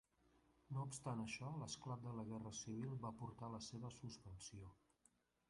No obstant això, l'esclat de la Guerra Civil va portar la seva suspensió.